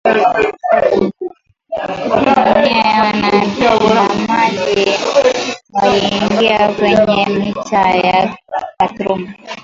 Mamia ya waandamanaji waliingia kwenye mitaa ya Khartoum